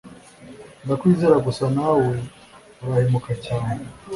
Ndakwizera gusa nawe urahemuka cyane